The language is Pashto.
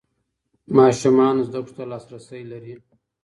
ماشومان زده کړو ته لاسرسی لري.